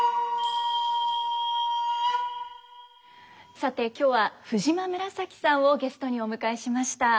さて今日は藤間紫さんをゲストにお迎えしました。